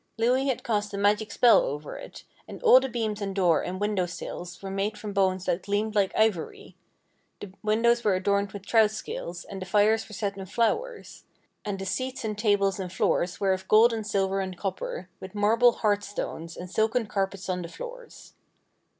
Louhi had cast a magic spell over it, and all the beams and door and window sills were made from bones that gleamed like ivory; the windows were adorned with trout scales, and the fires were set in flowers; and the seats and tables and floors were of gold and silver and copper, with marble hearth stones and silken carpets on the floors.